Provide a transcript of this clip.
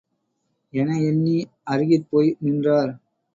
என எண்ணி அருகிற் போய் நின்றார்.